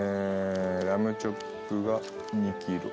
ラムチョップが２キロ。